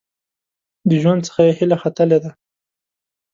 د ژوند څخه یې هیله ختلې ده .